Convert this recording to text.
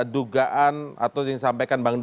dugaan atau yang disampaikan